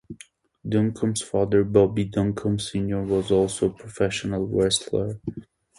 Duncum's father, Bobby Duncum Senior was also a professional wrestler.